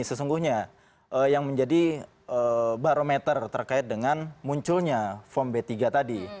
sesungguhnya yang menjadi barometer terkait dengan munculnya form b tiga tadi